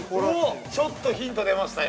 ◆ちょっとヒントが出ましたよ。